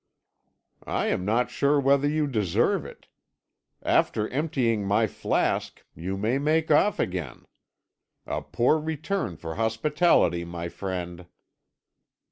"I am not sure whether you deserve it. After emptying my flask, you may make off again. A poor return for hospitality, my friend."